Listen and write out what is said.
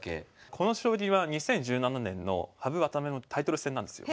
この将棋は２０１７年の羽生渡辺のタイトル戦なんですよ。